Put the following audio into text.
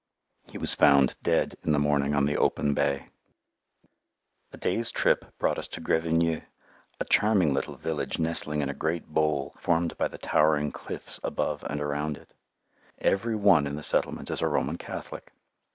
He was found dead in the morning on the open bay. A day's trip brought us to Grevigneux, a charming little village nestling in a great bowl formed by the towering cliffs above and around it. Every one in the settlement is a Roman Catholic.